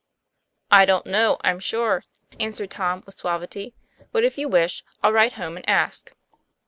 "I don't know, I'm sure," answered Tom with suavity; "but if you wish, I'll write home and ask."